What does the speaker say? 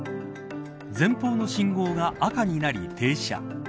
前方の信号が赤になり停車。